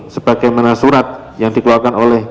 sebagaimana surat yang dikeluarkan oleh